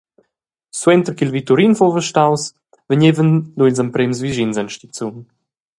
Suenter ch’il vitturin fuva staus, vegnevan lu ils emprems vischins en stizun.